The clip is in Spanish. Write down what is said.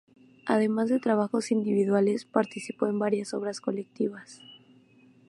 Además de trabajos individuales, participó en varias obras colectivas.